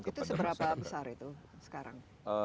itu seberapa besar itu sekarang